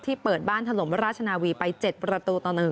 เปิดบ้านถล่มราชนาวีไป๗ประตูต่อ๑